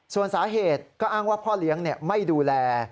ส่วนสาเหตุก็อ้างว่าพ่อเลี้ยงไม่ดูแล